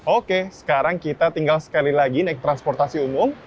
oke sekarang kita tinggal sekali lagi naik transportasi umum